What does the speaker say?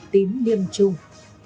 tín niêm trung